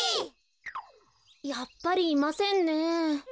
やっぱりいませんね。